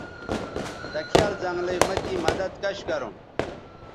دکھیال زنگلئ مہ تیں مدد کش گروں